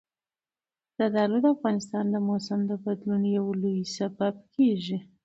زردالو د افغانستان د موسم د بدلون یو لوی سبب کېږي.